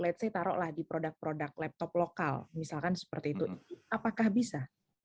let's say taruh di produk produk laptop lokal misalkan seperti itu apakah bisa